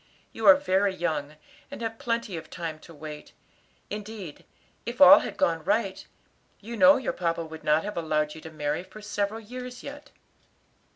You are very young, and have plenty of time to wait; indeed, if all had gone right, you know your papa would not have allowed you to marry for several years yet."